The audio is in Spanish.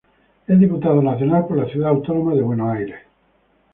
Es Diputado Nacional por la Ciudad Autónoma de Buenos Aires.